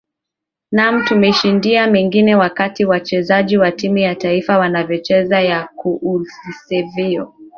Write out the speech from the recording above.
naam tumeshudia mengi wakati wachezaji wa timu ya taifa wanavyocheza ka ulivyosema